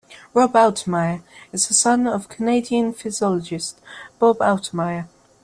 Rob Altemeyer is the son of Canadian psychologist Bob Altemeyer.